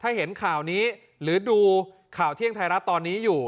ถ้าเห็นข่าวนี้หรือดูข่าวเที่ยงไทยรัฐตอนนี้อยู่